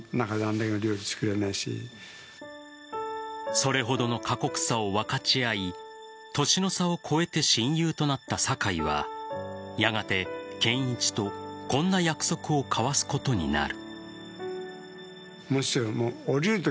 それほどの過酷さを分かち合い年の差を超えて親友となった坂井はやがて建一とこんな約束を交わすことになる。